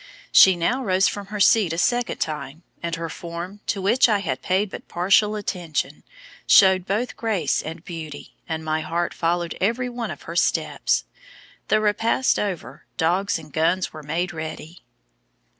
She now rose from her seat a second time, and her form, to which I had paid but partial attention, showed both grace and beauty; and my heart followed every one of her steps. The repast over, dogs and guns were made ready.